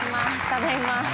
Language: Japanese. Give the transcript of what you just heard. ただいま。